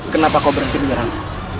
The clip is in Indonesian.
kenapa kau berhenti menyerang